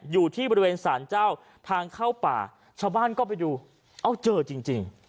อยู่ที่บริเวณสารเจ้าทางเข้าป่าชาวบ้านก็ไปดูเอาเจอจริง